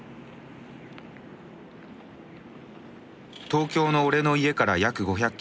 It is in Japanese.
東京の俺の家から約５００キロ。